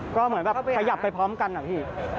ก็เหมือนแบบขยับไปพร้อมกันนะพี่